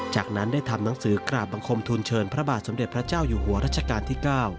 จากนั้นได้ทำหนังสือกราบบังคมทุนเชิญพระบาทสมเด็จพระเจ้าอยู่หัวรัชกาลที่๙